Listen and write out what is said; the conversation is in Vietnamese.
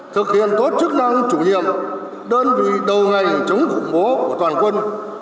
thực hiện tốt chức năng chủ nhiệm đơn vị đầu ngành chống khủng bố của toàn quân